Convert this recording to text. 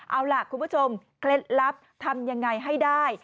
เอาล่ะคุณผู้ชมเคล็ดลับทำยังไงให้ได้